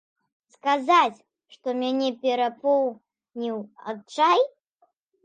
Сказаць, што мяне перапоўніў адчай?